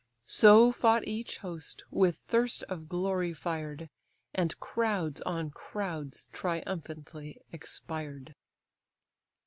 So fought each host, with thirst of glory fired, And crowds on crowds triumphantly expired.